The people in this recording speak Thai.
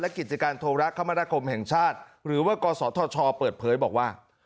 กิจการโทรคมนาคมแห่งชาติหรือว่ากศธชเปิดเผยบอกว่า